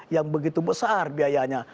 yang begitu besar biayanya